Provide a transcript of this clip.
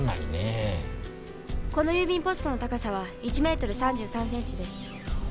この郵便ポストの高さは１メートル３３センチです。